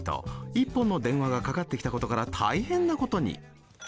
１本の電話がかかってきたことから大変なことに。